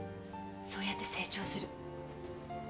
そうやって成長する。